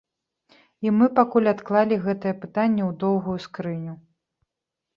І мы пакуль адклалі гэтае пытанне ў доўгую скрыню.